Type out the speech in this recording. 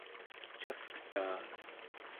cavtaa